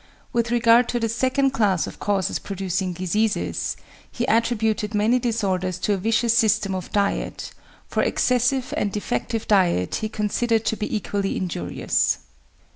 With regard to the second class of causes producing diseases, he attributed many disorders to a vicious system of diet, for excessive and defective diet he considered to be equally injurious.